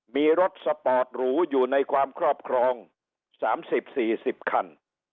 มีรถสปอร์ตหรูอยู่ในความครอบครอง๓๐๔๐คัน